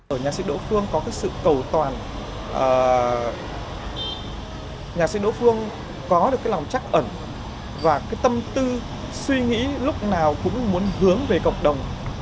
ở nhạc sĩ đỗ phương có cái sự cầu toàn nhạc sĩ đỗ phương có được cái lòng chắc ẩn và cái tâm tư suy nghĩ lúc nào cũng muốn hướng về cộng đồng